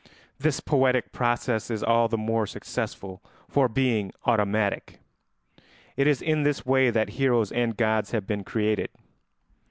This poetic process is all the more successful for being automatic. It is in this way that heroes and gods have been created.